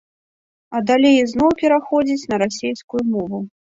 А далей ізноў пераходзіць на расейскую мову.